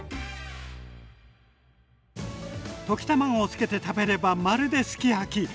溶き卵をつけて食べればまるですき焼き！